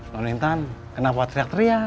loh intan kenapa teriak teriak